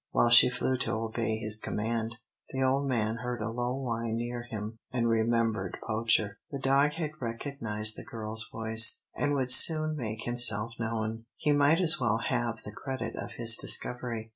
While she flew to obey his command, the old man heard a low whine near him, and remembered Poacher. The dog had recognised the girl's voice, and would soon make himself known. He might as well have the credit of his discovery.